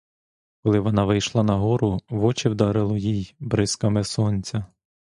Коли вона вийшла на гору — в очі вдарило їй бризками сонця.